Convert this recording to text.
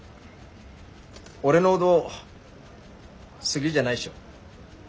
俺の音好きじゃないっしょ。